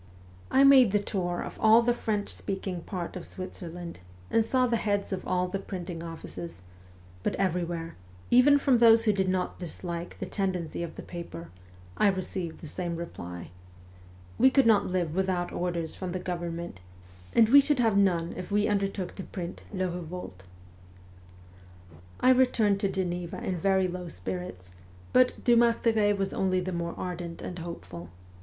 I made the tour of all the French speaking part of Switzerland and saw the heads of all the printing offices, but everywhere, even from those who did not dislike the tendency of the paper, I received the same reply :' We could not live without orders from the government, and we should have none if we undertook to print " Le Kevolte." ' I returned to Geneva in very low spirits, but Dumartheray was only the more ardent and hopeful.